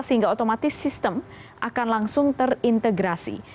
sehingga otomatis sistem akan langsung terintegrasi